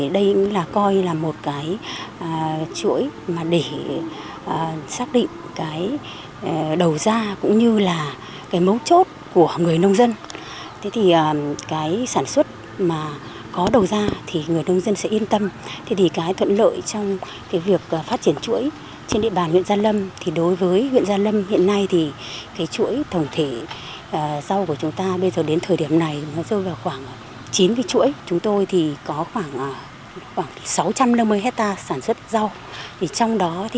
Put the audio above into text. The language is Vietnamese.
đây là một cái chúng tôi đánh giá là việc sản xuất của bà con